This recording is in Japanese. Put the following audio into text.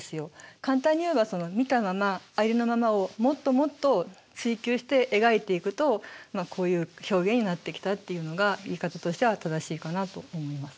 簡単に言えば見たままありのままをもっともっと追求して描いていくとこういう表現になってきたっていうのが言い方としては正しいかなと思います。